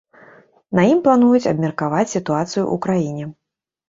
На ім плануюць абмеркаваць сітуацыю ў краіне.